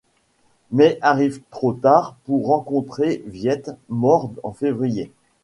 Mais arrive trop tard pour rencontrer Viète, mort en février.